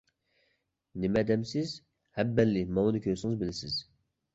نېمە دەمسىز؟ ھەببەللى ماۋۇنى كۆرسىڭىز بىلىسىز.